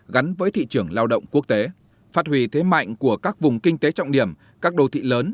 gắn với thị trường lao động quốc tế phát huy thế mạnh của các vùng kinh tế trọng điểm các đô thị lớn